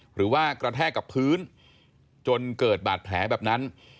หรือว่ากระแทกกับพื้นจนเกิดบาดแผลแบบนั้น